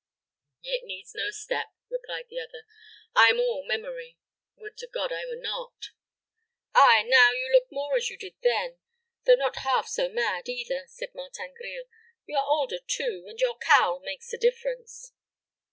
"It needs no step," answered the other. "I am all memory. Would to God I were not." "Ay, now you look more as you did then, though not half so mad either," said Martin Grille. "You are older, too, and your cowl makes a difference."